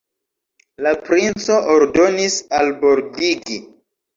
La princo ordonis albordigi.